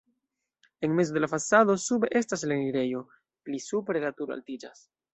En mezo de la fasado sube estas la enirejo, pli supre la turo altiĝas.